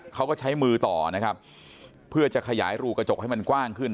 เขาก็ใช้มือต่อนะครับเพื่อจะขยายรูกระจกให้มันกว้างขึ้น